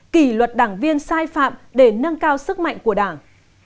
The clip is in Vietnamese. kỷ luật đảng viên sai phạm để nâng cao sức mạnh của đảng